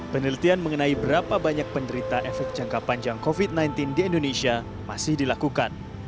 penelitian mengenai berapa banyak penderita efek jangka panjang covid sembilan belas di indonesia masih dilakukan